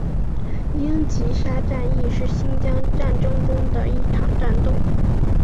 英吉沙战役是新疆战争中的一场战斗。